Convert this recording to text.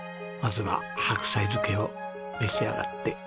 まずは白菜漬けを召し上がって。